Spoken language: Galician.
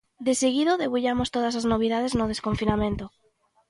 Deseguido, debullamos todas as novidades no desconfinamento.